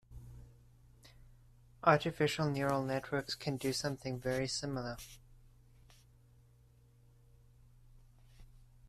Artificial neural networks can do something very similar.